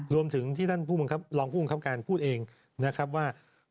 รวมถึงที่ท่านลองผู้บังคับการพูดเองนะครับว่า